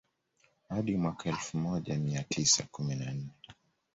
Hadi mwaka elfu moja mia tisa kumi na nne